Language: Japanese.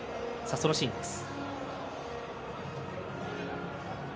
そのシーンです。